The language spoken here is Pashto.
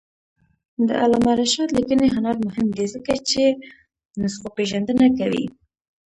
د علامه رشاد لیکنی هنر مهم دی ځکه چې نسخوپېژندنه کوي.